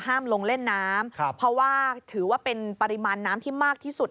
ลงเล่นน้ำเพราะว่าถือว่าเป็นปริมาณน้ำที่มากที่สุด